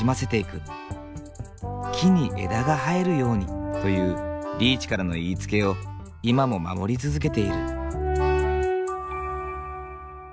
「木に枝が生えるように」というリーチからの言いつけを今も守り続けている。